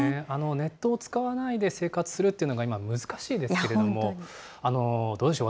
ネットを使わないで生活するというのが今、難しいですけれども、どうでしょう？